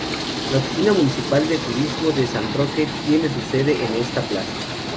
La Oficina Municipal de Turismo de San Roque tiene su sede en esta plaza.